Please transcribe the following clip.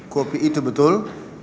kopi itu betul